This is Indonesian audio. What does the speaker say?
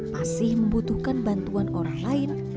masih membutuhkan bantuan orang lain